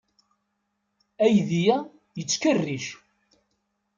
Aydi-a yettkerric.